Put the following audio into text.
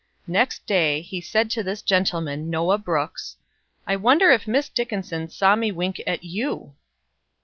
Next day he said to this gentleman Noah Brooks: "I wonder if Miss Dickinson saw me wink at _you?"